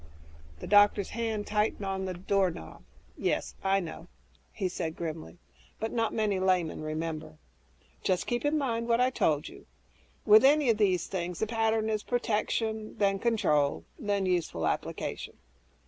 The doctor's hand tightened on the doorknob. "Yes, I know," he said grimly, "but not many laymen remember. Just keep in mind what I told you. With any of these things, the pattern is protection, then control, then useful application."